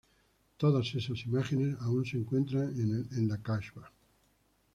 Todas esas imágenes aún se encuentran en el Casbah.